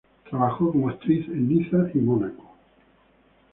Trabajó como actriz en Niza y Mónaco.